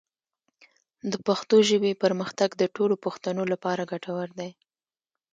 د پښتو ژبې پرمختګ د ټولو پښتنو لپاره ګټور دی.